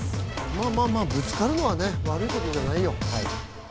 まあ、ぶつかるのは悪いことじゃないよ。